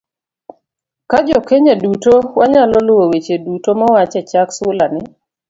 Ka Jo Kenya duto wanyalo luwo weche duto mowach e chak sulani